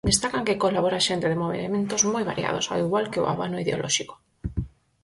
Destacan que colabora xente de movementos moi variados, ao igual que o abano ideolóxico.